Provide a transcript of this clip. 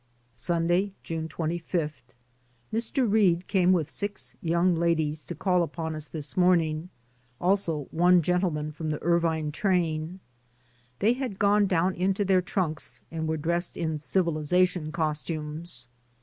Sunday, June 25. Mr. Reade came with six young ladies to call upon us this morning, also one gentle man from the Irvine train. They had gone down into their trunks and were dressed in civilization costumes.